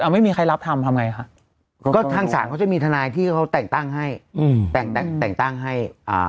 หมายความว่าทางสารเขาจะมีทนายที่เขาแต่งตั้งให้อืมแต่งแต่งแต่งตั้งให้อ่า